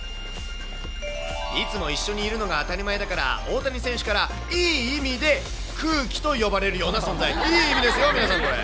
いつも一緒にいるのが当たり前だから、大谷選手からいい意味で空気と呼ばれるような存在、いい意味ですよ、皆さん、これ。